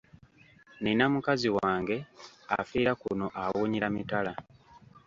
Nina mukazi wange afiira kuno awunyira mitala.